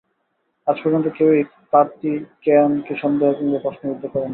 আজ পর্যন্ত কেউই কার্তিকেয়ানকে সন্দেহ কিংবা প্রশ্নবিদ্ধ করেনি।